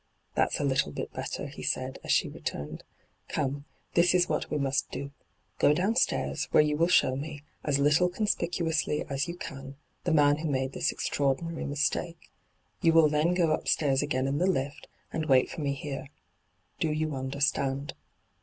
' That's a little bit better,' he said, as she returned. ' Come, this is what we must do : go downstairs, where you will show me, as little conspicuously as you can, the man who made this extraordinary mistake. You will then go upstairs again in the lift, and wait for me here. Do you understand